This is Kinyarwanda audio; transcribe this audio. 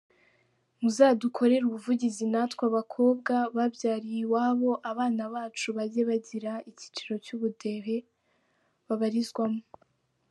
Muzadukorere uvugizi natwe abakobwa babyariye iwabo abana bacu bajye bagira icyiciro cy’ubudehe babarizwamo.